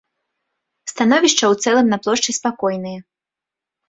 Становішча ў цэлым на плошчы спакойнае.